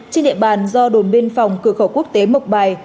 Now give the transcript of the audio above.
trên địa bàn do đồn biên phòng cửa khẩu quốc tế mộc bài